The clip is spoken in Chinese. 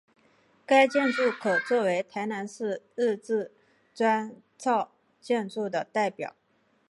该建筑可做为台南市日治砖造建筑的代表。